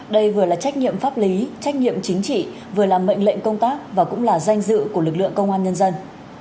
đây vừa là trách nhiệm pháp lý trách nhiệm chính trị vừa làm mệnh lệnh công tác và cũng là danh dự của lực lượng công an nhân dân